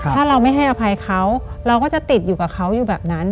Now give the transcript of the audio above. ถ้าเราไม่ให้อภัยเขาเราก็จะติดอยู่กับเขาอยู่แบบนั้น